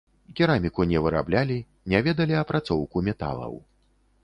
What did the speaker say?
Кераміку не выраблялі, не ведалі апрацоўку металаў.